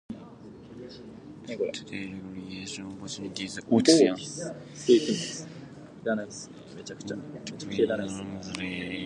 Today recreation opportunities are provided at Ridgway State Park along the lake.